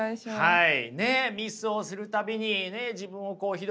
はい。